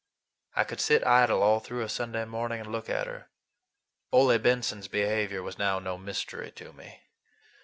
I could sit idle all through a Sunday morning and look at her. Ole Benson's behavior was now no mystery to me.